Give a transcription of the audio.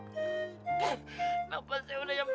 kenapa sih udah nyampe ekor nih